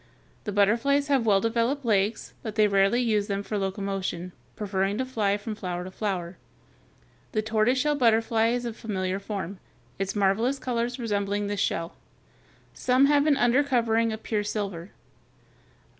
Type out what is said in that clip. The butterflies have well developed legs, but they rarely use them for locomotion, preferring to fly from flower to flower. The tortoise shell butterfly is a familiar form (Fig. 233), its marvelous colors resembling this shell. Some have an under covering of pure silver.